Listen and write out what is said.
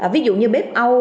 ví dụ như bếp âu